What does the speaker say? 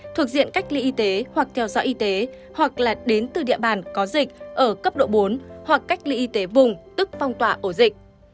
thuộc diện cách ly y tế hoặc theo dõi y tế hoặc là đến từ địa bàn có dịch ở cấp độ bốn hoặc cách ly y tế vùng tức phong tỏa ổ dịch